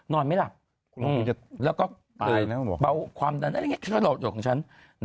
นอนมั้ยหลับแล้วก็เขาบัวความดันด้านนี้เอาโอ้ยเขาโหตของฉัน